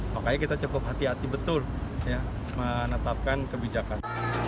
makanya kita cukup hati hati betul menetapkan kebijakan